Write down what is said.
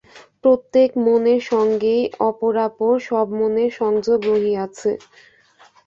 প্রত্যেক মনের সঙ্গেই অপরাপর সব মনের সংযোগ রহিয়াছে।